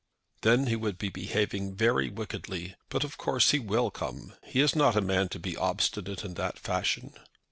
"Then he would be behaving very wickedly. But, of course, he will come. He is not a man to be obstinate in that fashion."